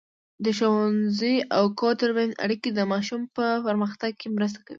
د ښوونځي او کور ترمنځ اړیکه د ماشوم په پرمختګ کې مرسته کوي.